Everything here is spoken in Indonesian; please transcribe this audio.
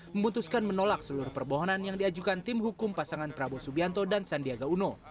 memutuskan menolak seluruh permohonan yang diajukan tim hukum pasangan prabowo subianto dan sandiaga uno